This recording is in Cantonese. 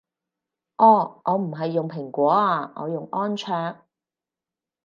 哦我唔係用蘋果啊我用安卓